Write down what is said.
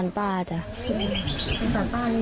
ความปลอดภัยของนายอภิรักษ์และครอบครัวด้วยซ้ำ